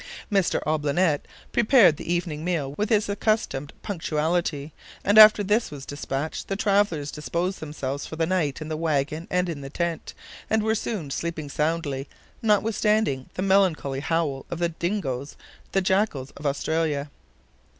M. Olbinett prepared the evening meal with his accustomed punctuality, and after this was dispatched, the travelers disposed themselves for the night in the wagon and in the tent, and were soon sleeping soundly, notwithstanding the melancholy howling of the "dingoes," the jackals of Australia.